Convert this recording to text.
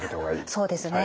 そうですね。